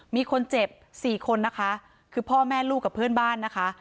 มีคนเจ็บสี่คนนะคะคือพ่อแม่ลูกกับเพื่อนบ้านนะคะ